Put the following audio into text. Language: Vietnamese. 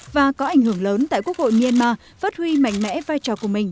và có ảnh hưởng lớn tại quốc hội myanmar phát huy mạnh mẽ vai trò của mình